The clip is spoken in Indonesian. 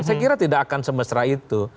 saya kira tidak akan semesra itu